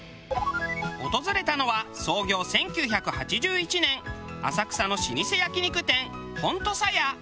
訪れたのは創業１９８１年浅草の老舗焼き肉店。